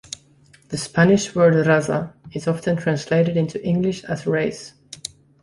The Spanish word "raza" is often translated into English as race.